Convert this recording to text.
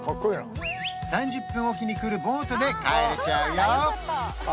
３０分おきに来るボートで帰れちゃうよ